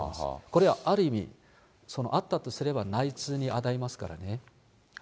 これはある意味、あったとすれば内通に当たりますからね。